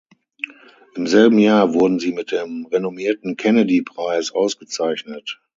Im selben Jahr wurden sie mit dem renommierten Kennedy-Preis ausgezeichnet.